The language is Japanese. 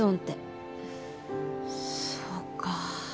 そうか。